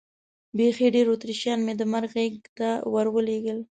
بیخي ډېر اتریشیان مې د مرګ غېږې ته ور ولېږل.